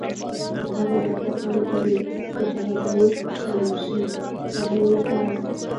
تر هغو دا ښه خوند کوي، د هغه دوو انارشیستانو لپاره.